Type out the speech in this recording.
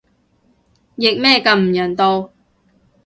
譯咩咁唔人道